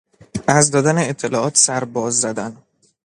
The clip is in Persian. از دادن اطلاعات سر باز زدن